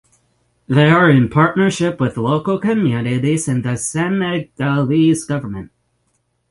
They are in partnership with local communities and the Senegalese government.